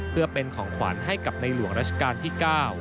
เพื่อเป็นของขวัญให้กับในหลวงราชการที่๙